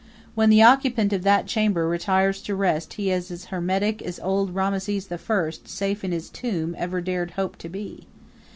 When the occupant of that chamber retires to rest he is as hermetic as old Rameses the First, safe in his tomb, ever dared to hope to be.